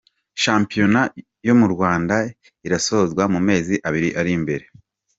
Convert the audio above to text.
Shampiyona yo mu Rwanda irasozwa mumezi abiri arimbere